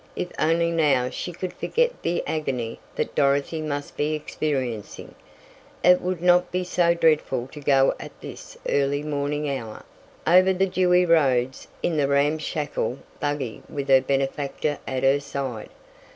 If only now she could forget the agony that Dorothy must be experiencing, it would not be so dreadful to go at this early morning hour, over the dewy roads, in the ramshackle buggy with her benefactor at her side.